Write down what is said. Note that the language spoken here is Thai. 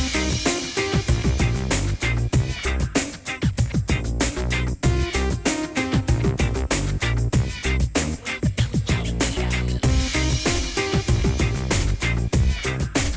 พลักมือ